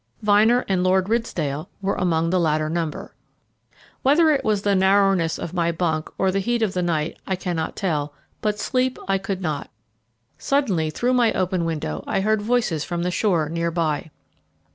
Vyner and Lord Ridsdale were amongst the latter number. Whether it was the narrowness of my bunk or the heat of the night, I cannot tell, but sleep I could not. Suddenly through my open window I heard voices from the shore near by.